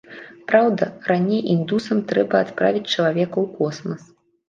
Праўда, раней індусам трэба адправіць чалавека ў космас.